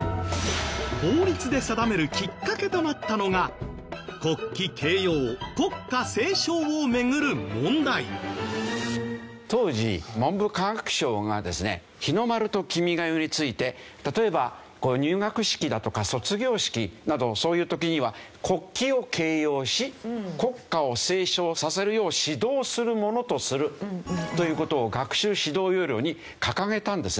法律で定めるきっかけとなったのが当時文部科学省がですね日の丸と『君が代』について例えば入学式だとか卒業式などそういう時には国旗を掲揚し国歌を斉唱させるよう指導するものとするという事を学習指導要領に掲げたんですね。